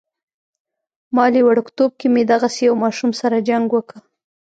مالې وړوکتوب کې مې دغسې يو ماشوم سره جنګ وکه.